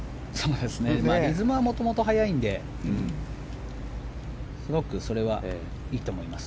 リズムはもともと速いんですごくそれはいいと思います。